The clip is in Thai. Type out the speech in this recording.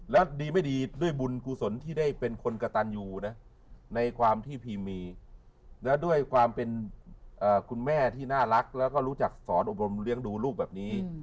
แล้วดีไม่ดีด้วยบุญกุศลที่ได้เป็นคนกระตันอยู่นะในความที่พีมมีแล้วด้วยความเป็นคุณแม่ที่น่ารักแล้วก็รู้จักสอนอบรมเลี้ยงดูลูกแบบนี้